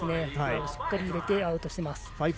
しっかり入れてアウトしています。